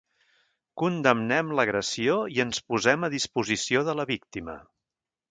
Condemnem l’agressió i ens posem a disposició de la víctima.